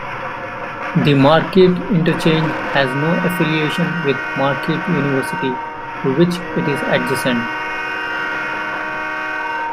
The Marquette Interchange has no affiliation with Marquette University, to which it is adjacent.